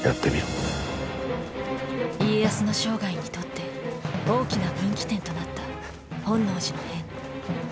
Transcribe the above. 家康の生涯にとって大きな分岐点となった本能寺の変。